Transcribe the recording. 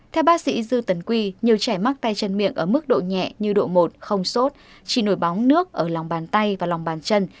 theo bác sĩ dư tấn quy nhiều trẻ mắc tay chân miệng ở mức độ nhẹ như độ một không sốt chỉ nổi bóng nước ở lòng bàn tay và lòng bàn chân